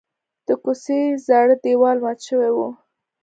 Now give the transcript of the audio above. د کوڅې زاړه دیوال مات شوی و.